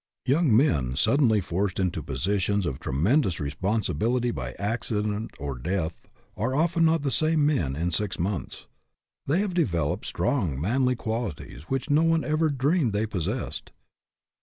Young men suddenly forced into positions of tremendous responsibility by accident or death are often not the same men in six months. They have developed strong manly qualities which no one ever dreamed they possessed.